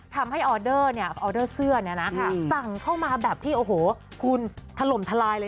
ทำให้ออเดอร์เสื้อสั่งเข้ามาแบบที่โอ้โหหคุณถล่มทลายเลย